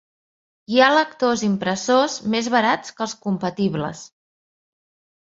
Hi ha lectors-impressors més barats que els compatibles.